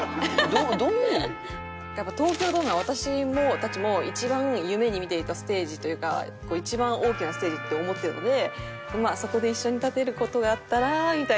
やっぱ東京ドームは私たちも一番夢に見ていたステージというか一番大きなステージって思ってるのでそこで一緒に立てる事があったらみたいな。